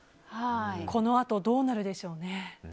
このあとどうなるでしょうね。